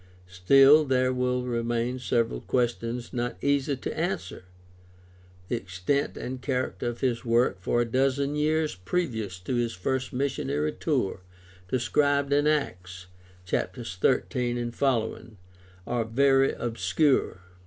Still there will remain several questions not easy to answer. The extent and character of his work for a dozen years previous to his first missionary tour described in Acts, chaps. 13 f., are very obscure.